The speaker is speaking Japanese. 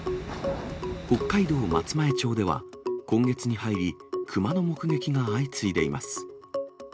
北海道松前町では、今月に入り、クマの目撃が相次いでいます。